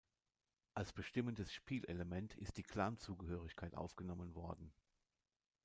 Als bestimmendes Spielelement ist die Clanzugehörigkeit aufgenommen worden.